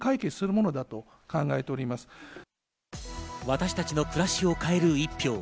私たちの暮らしを変える１票。